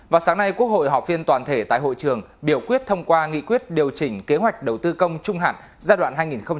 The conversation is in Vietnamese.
vào sáng nay quốc hội họp phiên toàn thể tại hội trường biểu quyết thông qua nghị quyết điều chỉnh kế hoạch đầu tư công trung hạn giai đoạn hai nghìn một mươi sáu hai nghìn hai mươi